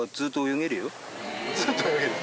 ずっと泳げる？